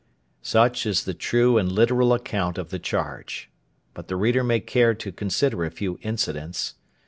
Such is the true and literal account of the charge; but the reader may care to consider a few incidents.